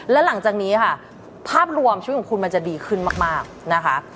และหลังจากนี้ค่ะภาพรวมชีวิตของคุณมันจะดีขึ้นมากนะคะ